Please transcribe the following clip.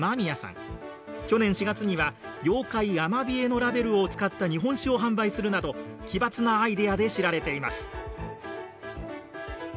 去年４月には妖怪アマビエのラベルを使った日本酒を販売するなど奇抜なアイデアで知られています。